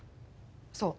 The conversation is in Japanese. そう。